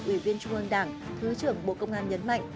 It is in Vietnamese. ủy viên trung ương đảng thứ trưởng bộ công an nhấn mạnh